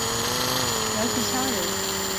姚绪羌人。